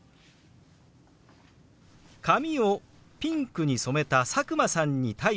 髪をピンクに染めた佐久間さんに対してのひと言です。